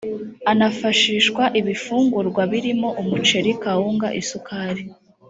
anafashishwa ibifungurwa birimo umuceri kawunga isukari